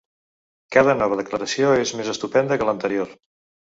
Cada nova declaració és més estupenda que l’anterior.